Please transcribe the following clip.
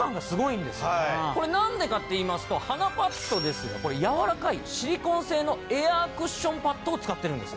これなんでかっていいますと鼻パッドですがこれやわらかいシリコン製のエアクッションパッドを使ってるんです。